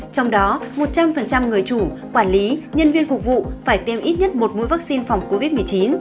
trong đó một trăm linh người chủ quản lý nhân viên phục vụ phải tiêm ít nhất một mũi vaccine phòng covid một mươi chín